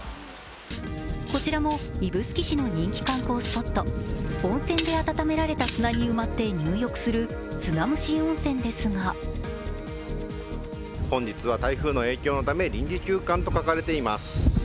こちらも指宿市の人気観光スポット、温泉で温められた砂に埋まって入浴する、砂蒸し温泉ですが本日は台風の影響のため臨時休館と書かれています。